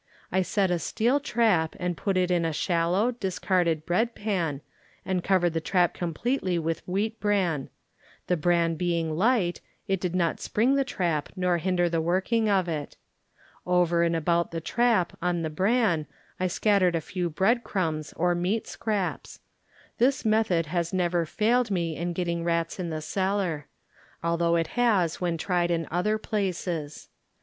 I set a steel trap and put it in a shallow, discarded bread pan, and covered the trap completely with wheat bran; the bran being light, did not spring the trap nor hinder the working of it. Over and about the trap on the bran I scattered a few bread crumlS or meat scraps. This method has never failed me in getting rats in the cellar ; although it has when tried in other places.